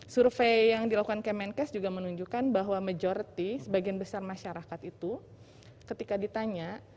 survei yang dilakukan kemenkes juga menunjukkan bahwa majority sebagian besar masyarakat itu ketika ditanya